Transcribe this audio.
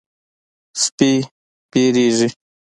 سپي وېرېږي.